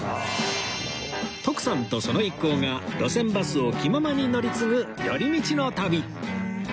徳さんとその一行が路線バスを気ままに乗り継ぐ寄り道の旅